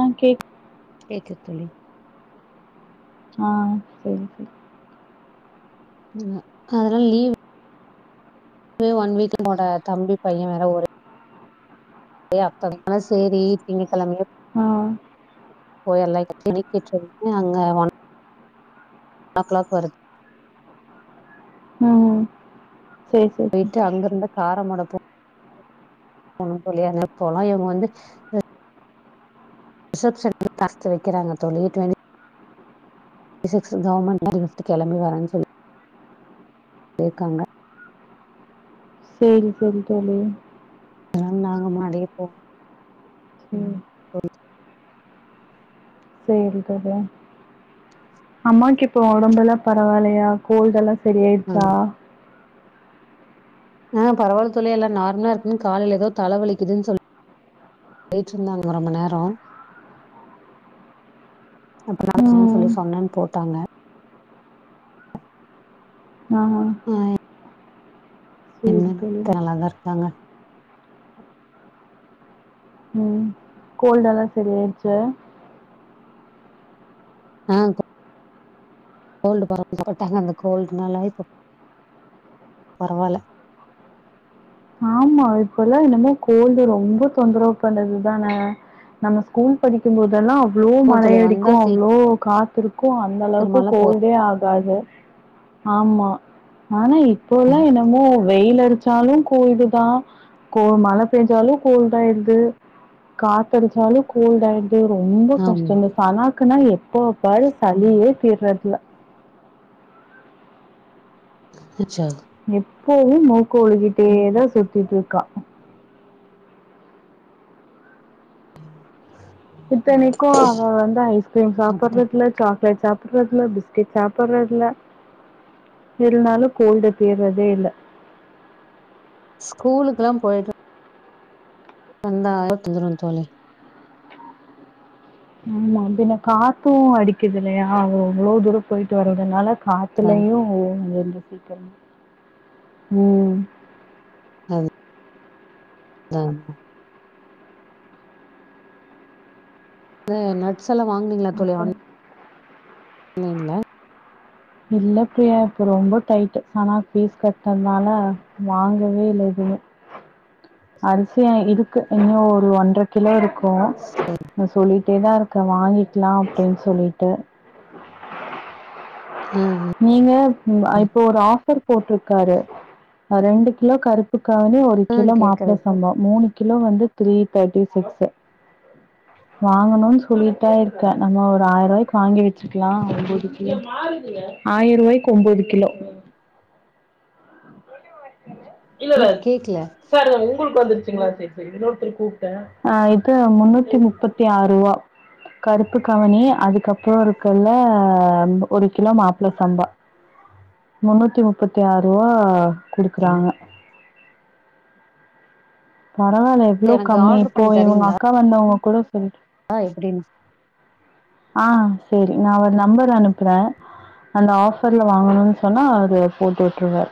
ஆ கேக் கேக்கு தோழி ஆ சரி சரி [unintelligible] அதலலா லீவ் வே ஒன் வீக் உங்களோட தம்பி பையே வேற ஒரு ஊருக் யே அப்றமா சேரி திங்ககெழமையே ஆ போயரலா கிணிக்கிட்டு இருக்கு அங்க ஆ கிளாக் பாரு உம் போயிட்டு அங்கிருந்து காரமடோ போ போ தோழி ஆன போலா இவுங்க வந்து ரிஷப்ஸன்க்கு காஸ்ட் வக்கிறாங்க தோழி தொிண் ரிஷப்ஸன் கவர்மெண்ட் நிஃப்து கிளம்பி வரேன்னு சொல்லி [unintelligible] சொல்லி இருக்காங்க சேரி சேரி சேரி அதனால நாங்க முன்னாடியே போ உம் ஓகே தோ சேரி‌ங்க தோழி அம்மாக்கு இப்போ உடம்பு எல்லா பரவாலையா கோல்டெல்லா சரி ஆயிடுச்சா ஆ பரவால தோழி எல்ல நார்மலா இருக்குன்னு காலயில ஏதோ தலை வலிக்குதுன் சொல் போயிட்டு இருந்தாங்க ரொம்ப நேரோ அப்றோ நா சொன்னு ம் சொல்லி சொன்னேன்னு போட்டாங்க உம் ஆஎக் தோழி க்க நல்லாதா இருக்காங்க உம் கோல்ட் எல்லா சரியா ஆயிடுச்சு ஆ கோல்டு பரந்தப்பட்டாங்க அந்த கோல்டுனால இப்போ பரவாயில்ல ஆமா இப்பல்லா என்னமோ கோல்டு ரொம்ப தொந்தரவு பண்ணதுதான நம்ம ஸ்கூல் படிக்கும் போதெல்லா அவ் ளோ ஆமா மழை தோழி வந்தா அடிக்கு அவ்ளோ காத்திருக்கு அந்த அளவுக்கு சீக்கிரமாலா போ கோல்டே ஆகாது ஆமா ஆனா இப்போல்லா என்னமோ வெயில் அடிச்சாலும் கோல்டு பாமழை பெஞ்சாலும் கோல்ட் ஆயிடுது காத்தடிச்சாலும் கோல்ட் ஆயிடுது யோ ரொம்ப ஆமா கஷ்டம் சனாக்குன்னா எப்போ பாரு சளியே தீர்றதுல சிச்சுசா எப்பவுமே மூக்கு ஒழுகிட்டேதா சுத்திட்டு இருக்கா இத்தனைக்கு அவ வந்து ஐஸ்கிரீம் அப்டிதா சாப்றது இல்ல சாக்லேட் சாப் றது இல்ல பிஸ்கெட் சாப்றது இல்ல இருனாலு கோல்டு தீர்தே இல்ல ஸ்கூலுக்குலாம் போயிட்டு வந்தாயே தந்துருவ தோழி ஆமா பின்ன காத்தும் அடிக்குது இல்லயா அவ அவ்ளோ தூரம் போயிட்டு வர்துனால காத் அ த்துலையும் இங்க வந்து சீக்கிரம் ம் அ நட்ஸ் எல்லாம் வாங்குனீங்களா தோழி வா அப்புறம் ன்னீங்களா இல்ல பிரியா இப்போ ரொம்ப டைட்டு ஆனா ஃபீஸ் கட்டனால வாங்கவே இல்லை அரிசி இருக்கு இன்னும் ஒரு ஒன்றரை கிலோ இருக்கும் சொல்லி ட்டே தான் இருக்க வாங்கிக்கலாம் அப்டின்னு சொல்லிட்டு ஆ ஹ நீங்க இப்போ ஒரு ஆஃபர் போட்டிருக்காரு ரெண்டு கிலோ கருப்பு க்கனே ஒரு ஆ கிலோ கேக்குற மாப்பிளை இப்போ சம்பவம் மூணு கிலோ வந்து த்ரீ தேர்ட்டி சிக்ஸ் ம் [inaudible] வாங்கணுன்னு சொல்லிட்டா இருக்கேன் நம்ம ஒரு ஆயிரம் ரூவாய்க்கு வாங்கி வெச்சுக்கலாம் ஆயிரம் ரூவாய்க்கு ஒம்பது கிலோ தோழி இல்லல்ல கேக்கல சாரி உங்களுக்கு வந்துருச்சுங்களா செரி செரி ஆ இது முன்னூத்தி முப்பத்தி ஆறு ரூவா கருப்பு கவனி அதுக்கப்பறோ இருக்கல்ல ஒரு கிலோ மாப்பிள சம்பா முன்னூத்தி முப்பத்தி ஆறு ரூவா குடுக்குறாங்க பரவாயில்ல எவ்வளவு எனக்கு கம்மி ஆர்டர் இப்போ பண்ணி இவங்க அக்கா வந்தவங்க கூட சொல்லி ஆ எப்டின்னு ஆ சேரி நா ஒரு நம்பரு அனுப்புற அந்த ஆஃபர்ல வாங்கணுன்னு சொன்னா அது போட்டு விட்டுருவ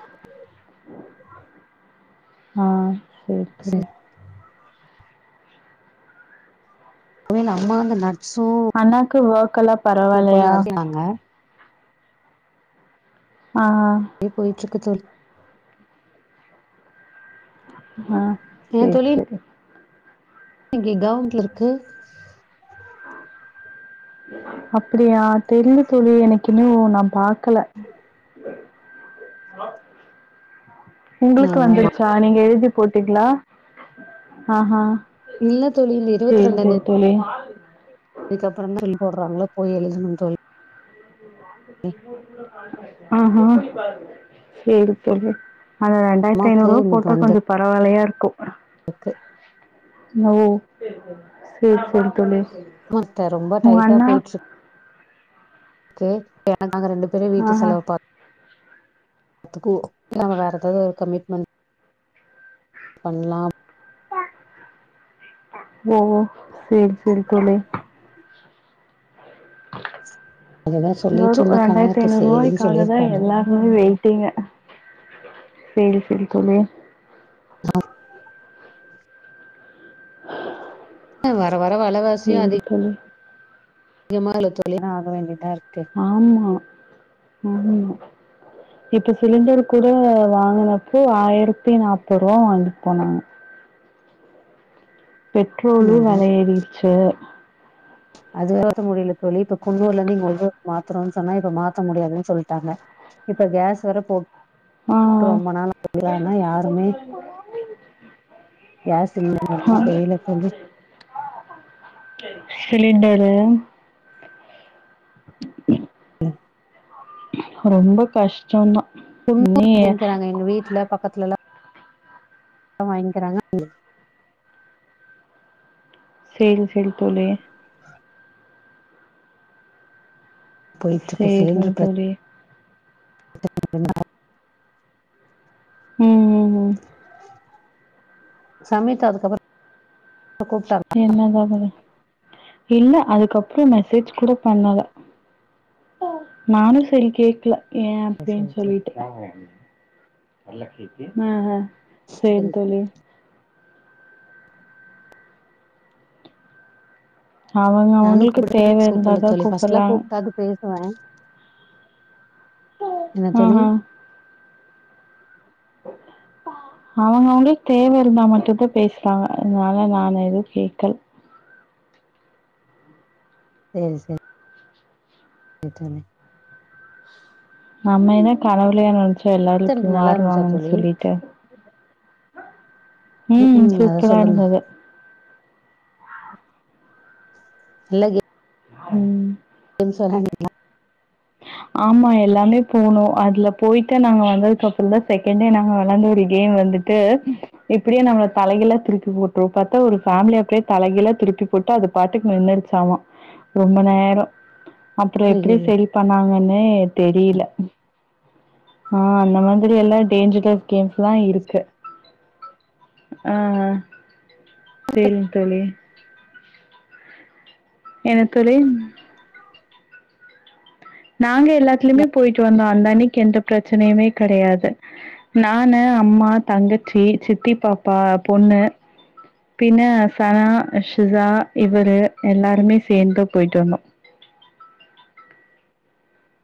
ஆ சேரி சரி தோழி அவெ எங்க அம்மா வந்து நர்ஸோ அண்ணாக்கு வொர்க்கெல்லாம் பரவாலியா அரிசினாங்க ஆ ஹ அப்டியே போயிட்டு இருக்கு தோழி ஆ சேரி சேரி இன்னிக்கி கௌவுன்ட்ல இருக்கு அப்டியா தெரில தோழி எனக்கு இன்னு நா பாக்கல ஆ உங்குளுக்கு வந்துருச்சா நீங்க எழுதி போட்டீங்களா ஆ ஹ இல்ல தோழி இந்த இருவத் ரெண்டான் தேதி தோழி அதுக்கப்பறோ தா எழுதி போடுறாங்களா போய் எழுதணும் தோழி ஆ ஹ சேரி தோழி அதா ஆயிரத்து அம்மாக்கு ஐநூரூவா போட்டா கொஞ்சோ பரவாலயா இருக்கும் ஓகே ஓ செரி செரி தோழி மத்த ரொம்ப உங்க டைட்டா அண்ணா? போயிட்டு இருக்கு ஓகே நாங்க ரெண்டு பேரும் வீட்டு ஆஹா. செலவு பாத் அதுக்கு நம்ம வேற ஏதாவது ஒரு கமிட் பண்லாம் ஓ செரி செரி தோழி அதுதா சொல்லிட்டு நானு ஒரு இருந்த ரெண்டாயிரத்தி கணவர்ட்ட சேரின்னு ஐநூறுவாய்க்காக தா சொல்லியிருக்காங்க எல்லா முழு வெயிட்டிங்கு செரி செரி தோழி ஆ வர வர வெலவாசியு சரி அதிக தோழி. அதிகமால தோழி ஆக வேண்டியதாருக்கு ஆமா ம் இப்போ சிலிண்டர் கூட வாங்குனப்போ ஆயிரத்தி நாப்பதுருவா வாங்கிட்டு போனாங்க பெட்ரோலு வெல ம் ஏறிடுச்சு அது வேற முடில தோழி இப்ப குன்னூர்ல இருந்து இங்க உள்ளூருக்கு மாத்துனுன் சொன்னா இப்ப மாத்த முடியாதுன் சொல்டாங்க இப்ப கேஸ் வர போ ஆ, ரொம்ப நாளா முடியலனா யாருமே கேஸ் சிலிண்டர் ஆ. வரல தெரில தோழி சிலிண்டரு ம் ரொம்ப கஷ்டந்தா பொண்ணு வாங்கிக்கிறாங்க எங்க வீட்ல பக்கத்துலலா வாங்கிக்கிறாங்க சேரி செரி தோழி போயிட்டு இருக்கு சேரிங் சிலிண்டர் பிரச்சன தோழி ம் ம் ம் சமைக்காதுக்கது என்னதா பண்ண இல்ல அதுக்கப் பற மெசேஜ் கூட பண்ணல நானு சரி கேக்கல ஏ அப்டின் சரி சரி சொல்லிட்டு செரி சரி தோழி அவங்க நானு அவங்களுக்கு தேவ கூப்பிட்ல இருந்தாதா தோழி ஃபர்ஸ்ட்லா கூப்புட்றாங்க கூப்ட்டாது பேசுவ என்னா ஆ தோழி ஆ [inaudible] அவங்கவுங்களுக் தேவ இருந்தா மட்டுதா பேசுறாங்க. அதனால நான் எதுவு கேட்கல. சரி சரி. பெட்ரோலு நம்ம என்ன கனவுலயா நெனச்சோ எல்லாரு இப்டி இன்டர்ன் நல்லா இருந்துச்சா மாறுவாங்கன் தோழி சொல்லிட்டு. ம் சூப்பரா இருந்துது. செழகு ம்.. [unintelligible] ஆமா எல்லாமே போணு அதுல போய்ட்டா நாங்க வந்ததுக்கு அப்றோதா செகெண்டே நாங்க வெளாண்டு முடியு நீயு வந்துட்டு, எப்டியு நம்ம தலைகீழா திருப்பி போட்டுரு பாத்தா ஒரு ஃபேமிலி அப்டியே தலைகீழா திருப்பி போட்டு அது, பாட்டுக்கு நின்னுருசாமா ரொம்ப நேரோ அப்றோ எப்டியோ ஐயையோ செரி பண்ணாங்கன்னே தெரில. ஆ அந்த மாதிரி எல்லா டேஞ்சரஸ் கேம்ஸ்லா இருக்கு. ஆ சேரிங் தோழி. என்ன தோழி நாங்க எல்லாத்துலயுமே போய்ட்டு வந்தோ அந்த அன்னைக்கு எந்த பிரச்சனையுமே கெடையாது. நானு, அம்மா, தங்கச்சி, சித்தி பாப்பா பொண்ணு, பின்ன சனா ஷிசா இவரு எல்லாருமே சேந்து போய்ட்டு வந்தோ.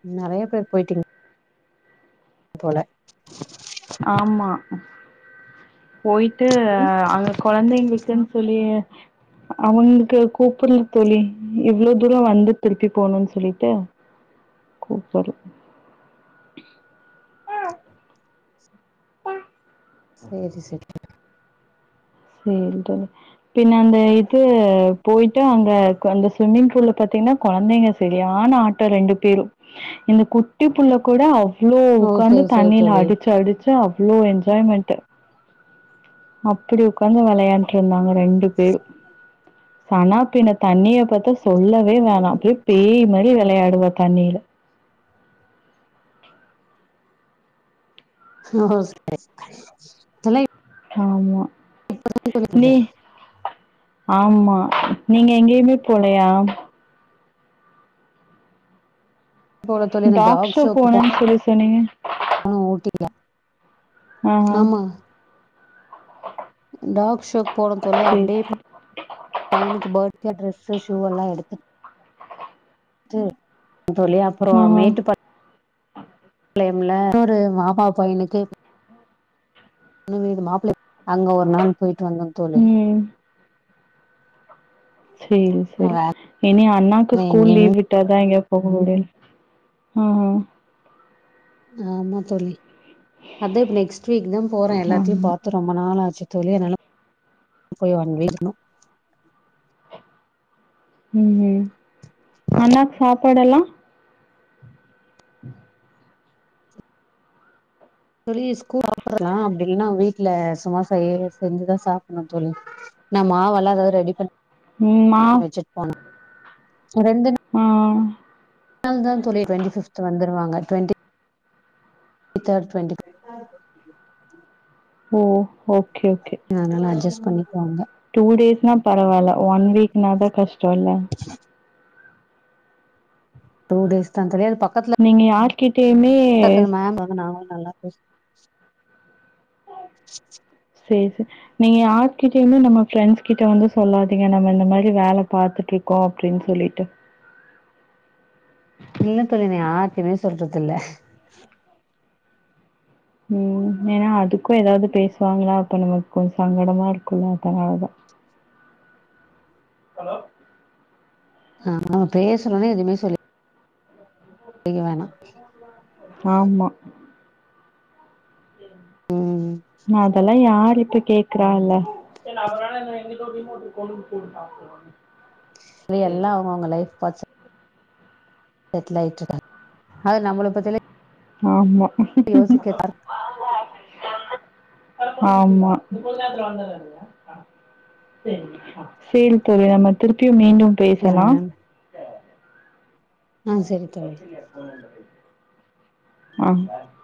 ம் நெறய பேர் போயிட்டீங் போல ஆமா போயிட்டு அங்க கொழந்தைங்களுக்குனு, சொல்லியே அவங்களுக்கே கூப்புல தோழி இவ்ளோ தூரோ வந்து திருப்பி போணுன் சொல்லிட்டு, கூப்பர்ல சேரி செரி சேரிங் தோழி பின்ன அந்த இது போயிட்டு அங்க அந்த ஸ்விம்மிங் ஃபூல்ல பாத்தீனா, கொழந்தைங்க சரியான ஆட்டோ ரெண்டு பேரு இந்த குட்டி புள்ள கூட அவ் ளோ ஓ உக்காந்து சரி சரி தண்ணில தோழி அடிச்சு அடிச்சு அவ்வளோ எஞ்ஜாய்மெண்ட்டு. அப்டி உக்காந்து வெளையாண்டுருந்தாங்க ரெண்டு பேரு சனா பின்ன தண்ணிய பாத்த சொல்லவே வேணா அப்டியே பேய் மாரி வெளையாடுவா தண்ணில ஓஹோ [inaudible] ஆமா நீ ஆமா நீங்க எங்கேயுமே போலையா? போல தோழி அந்த டாக் ஷோ போனேன்னு சொல்லி சொன்னீங்க? ஆ ஓகே [inaudible] ஆஹா ஆமா டாக் ஷோக்கு போன தோழி சேரி அப்டியே சேரி பையனுக்கு பர்த்டே டிரெஸ் ஷூவெல்லா எடுத்து டு [inaudible] தோழி அப்பறோ ஆஹா மேட்டுப்பா ளையம்ல ஒரு மாமா பையனுக்கு பொண்ணு வீடு மாப்புள [inaudible] அங்க ஒரு நாள் போயிட்டு வந்தோ தோழி ம் சேரி செரி. வேற இனி அண்ணாக்கு ஸ்கூல் எங்கேயுமே லீவ் விட்டாதா எங்கயா போக முடியு ஆஹ ஆமா தோழி அதா இப்ப நெக்ஸ்ட் வீக்தா போற எல்லாத்தையு ஆமா. பாத் து ரொம்ப நாள் ஆச்சு தோழி அதனால [inaudible] போய் வங்கேருக்கணு ம் ம் அண்ணாக்கு சாப்பாடுல்லா வெளிய ஸ்கூல் [inaudible] சாப்பட்லா அப்டில்லன்னா வீட்ல சும்மா செய்ய செஞ்சுதா சாப்புனு தோழி நா மாவெல்லா எதாது ரெடி பண்ணி ம். மா [inaudible] வெச்சட்டு போனு அ ரெண்டு நா ஆ ள்தா தோழி டுவென்டி ஃபிஃப்த் வந்துருவாங்க டுவெண்ட்டி [inaudible] தேர்டு டுவெண்ட்டி ஓ ஓகே ஓகே அதனால அட்ஜஸ் பண்ணக்குவாங்க டூ டேஸ்னா பரவால்ல ஒன் வீக்னாதா கஷ்டோல்ல டூ டேஸ்தா தோழி அது பக்கத்துல நீங்க யார்க்கிட்டயுமே பேசுன மேம் அதா நாங்களு நல்லா பேசு சேர் சே நீங்க யார் கிட்டயுமே நம்ம ஃப்ரெண்ட்ஸ் கிட்ட வந்து சொல்லாதீங்க நம்ம இந்த மாரி வேல பாத்துட்ருக் கோ அப்டின் சொல்லிட்டு இல்ல தோழி நா யார்டயுமே சொல்றதில்ல ம் ஏனா அதுக்கு ஏதாவது பேசுவாங்ளா அப்ப நமக் கொஞ் சங்கடமா இருக்குல்ல அதனால தா ஹலோ ஆமா பேசறதே எதுமே சொல்லி க்க வேனா ஆமா ம். அதெல்லா யாரிப்ப கேக் கறால்ல செரி எல்லா அவுங்க அவுங்க லைஃப் பாத்து செட்டில் ஆய்ட்ருக்காங்க அது நம்மள பத்திலா ஆமா ஆமா சேரி தோழி நம்ம திருப்பியு மீண்டும் ஆ. பேசலா ஆ செரி தோழி ஆ